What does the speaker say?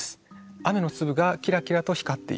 雨の粒がキラキラと光っている。